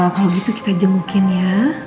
kalau gitu kita jemukin ya